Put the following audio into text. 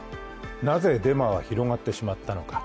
なぜデマは広がってしまったのか。